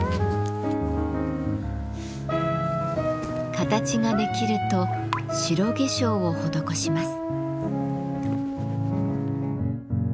形ができると白化粧を施します。